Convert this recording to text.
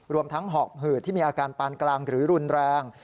รวมทั้งหอบหืดที่มีอาการปานกลางหรือรุนแรง